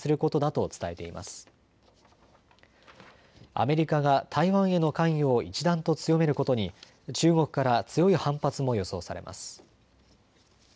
アメリカが台湾への関与を一段と強めることに中国から強い反発も予想されます。